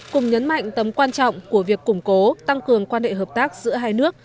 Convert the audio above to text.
cùng nhấn mạnh tấm quan trọng của việc củng cố tăng cường quan hệ hợp tác giữa hai nước